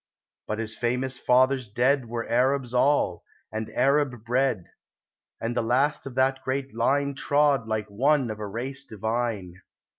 But his famous fathers dead Were Arabs all, and Arab bred, And the last of that great line Trod like one of a race divine!